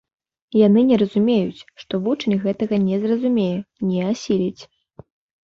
Яны не разумеюць, што вучань гэтага не зразумее, не асіліць.